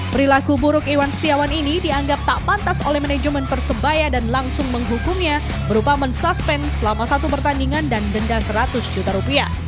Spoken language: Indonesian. perilaku buruk iwan setiawan ini dianggap tak pantas oleh manajemen persebaya dan langsung menghukumnya berupa mensuspend selama satu pertandingan dan denda seratus juta rupiah